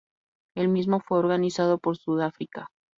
El mismo fue organizado por Sudáfrica.